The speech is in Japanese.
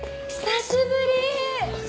久しぶり。